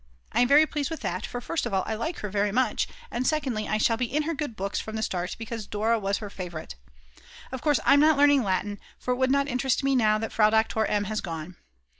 I am very pleased with that, for first of all I like her very much, and secondly I shall be in her good books from the start because Dora was her favourite. Of course I'm not learning Latin, for it would not interest me now that Frau Doktor M. has gone.